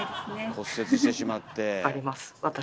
骨折してしまって。